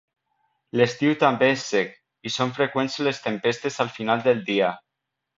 L'estiu també és sec, i són freqüents les tempestes al final del dia.